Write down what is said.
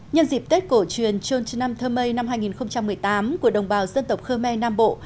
nhân dịp tết cổ truyền trôn trần nam thơ mây năm hai nghìn một mươi tám của đồng bào dân tộc khơ me nam bộ